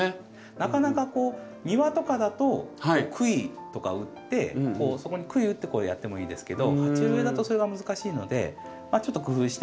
なかなかこう庭とかだとクイとか打ってそこにクイ打ってやってもいいですけど鉢植えだとそれが難しいのでちょっと工夫して。